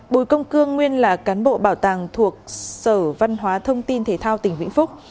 bùi công cương nguyên là cán bộ bảo tàng thuộc sở văn hóa thông tin thể thao tỉnh vĩnh phúc